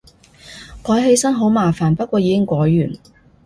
改起身好麻煩，不過已經改完